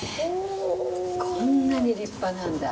こんなに立派なんだ。